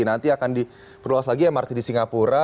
nanti akan diperluas lagi mrt di singapura